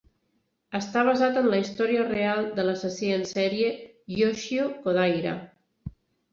Està basat en la història real de l'assassí en sèrie Yoshio Kodaira.